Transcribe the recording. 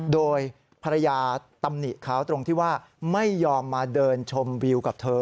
โดยภรรยาตำหนิเขาตรงที่ว่าไม่ยอมมาเดินชมวิวกับเธอ